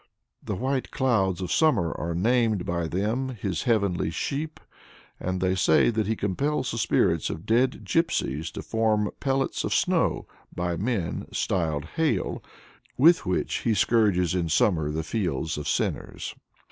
The white clouds of summer are named by them his heavenly sheep, and they say that he compels the spirits of dead Gypsies to form pellets of snow by men styled hail with which he scourges in summer the fields of sinners.